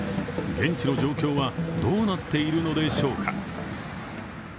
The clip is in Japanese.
現地の状況は、どうなっているのでしょうか。